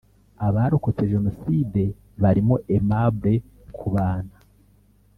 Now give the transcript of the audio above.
abarokotse Jenoside barimo Aimable Kubana